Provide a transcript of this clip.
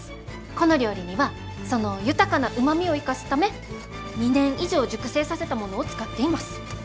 この料理にはその豊かなうまみを生かすため２年以上熟成させたものを使っています。